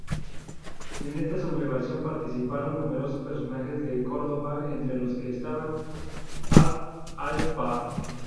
En esta sublevación participaron numerosos personajes de Córdoba, entre los que estaba Abd al-Barr.